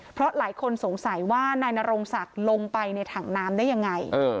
เพราะหลายคนสงสัยว่านายนรงศักดิ์ลงไปในถังน้ำได้ยังไง